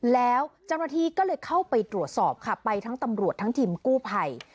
แล้วเจ้าหน้าที่ก็เลยเข้าไปตรวจสอบค่ะไปทั้งตำรวจทั้งทีมกู้ภัย